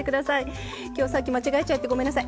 今日さっき間違えちゃってごめんなさい。